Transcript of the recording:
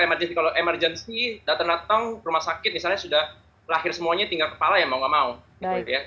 nah kecuali kalau emerjensi datang datang rumah sakit misalnya sudah lahir semuanya tinggal kepala ya mau nggak mau gitu ya